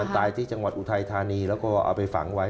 ตายที่จังหวัดอุทัยธานีแล้วก็เอาไปฝังไว้